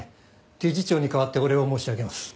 理事長に代わってお礼を申し上げます。